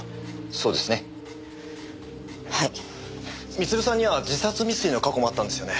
光留さんには自殺未遂の過去もあったんですよね？